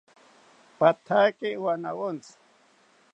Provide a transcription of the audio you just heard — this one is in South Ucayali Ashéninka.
Pathaki wanawontzi